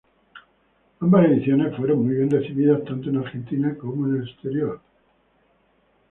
Ambas ediciones fueron muy bien recibidas tanto en Argentina como en el exterior.